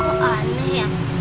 kok aneh ya